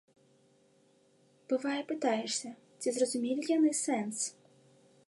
Бывае, пытаешся, ці зразумелі яны сэнс.